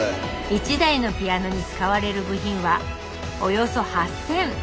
１台のピアノに使われる部品はおよそ８，０００。